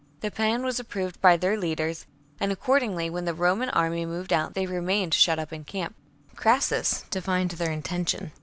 The plan was approved by their leaders ; and accordingly when the Roman army moved out they remained shut up in camp. Crassus divined their intention.